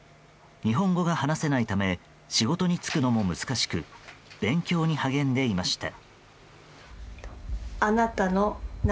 日本語が話せないため仕事に就くのも難しく勉強に励んでいました。